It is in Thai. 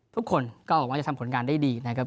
ทุกคนก็บอกว่าจะทำผลงานได้ดีนะครับ